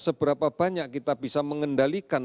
seberapa banyak kita bisa mengendalikan